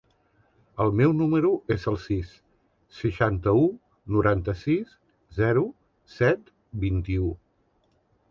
El meu número es el sis, seixanta-u, noranta-sis, zero, set, vint-i-u.